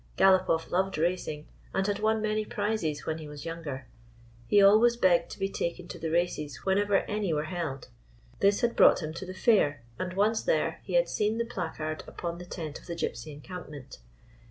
Galopoff loved racing, and had won many prizes when he was younger. He always begged to be taken to the races whenever any were held. This had brought him to the Fair, and, once there, he had seen the placard upon the tent of the Gypsy encampment.